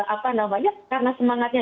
apa namanya karena semangatnya